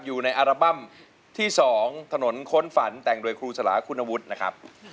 อยู่ในอัลบั้มที่๒ถนนค้นฝันแต่งโดยครูสลาคุณวุฒินะครับ